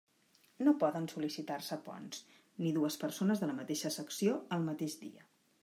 No poden sol·licitar-se ponts, ni dues persones de la mateixa secció el mateix dia.